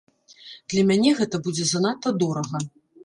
Для мяне гэта будзе занадта дорага.